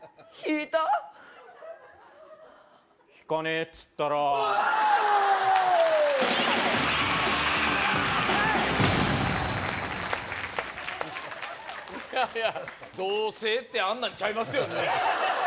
いやいや同棲ってあんなんちゃいますよね？